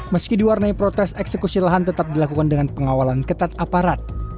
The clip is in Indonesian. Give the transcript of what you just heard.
meski diwarnai protes eksekusi lahan tetap dilakukan dengan pengawalan ketat aparat